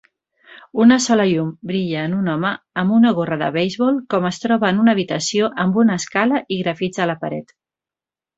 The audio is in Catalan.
Una sola llum brilla en un home amb una gorra de beisbol com es troba en una habitació amb una escala i grafits a la paret